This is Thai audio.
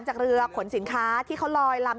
จากเรือขนสินค้าที่เขาลอยลำ